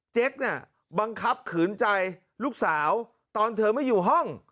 ็กเนี่ยบังคับขืนใจลูกสาวตอนเธอไม่อยู่ห้อง